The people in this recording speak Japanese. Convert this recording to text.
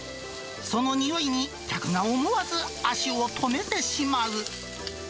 その匂いに客が思わず足を止めてしまう。